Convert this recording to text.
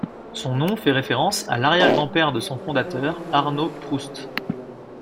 Son nom fait référence à l'arrière-grand-père de son fondateur, Arnaud Proust.